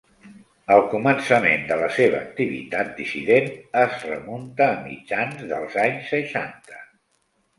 El començament de la seva activitat dissident es remunta a mitjans dels anys seixanta.